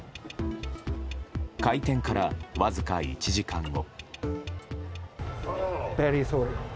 開店から、わずか１時間後。